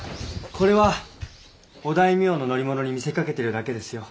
これはお大名の乗り物に見せかけてるだけですよ。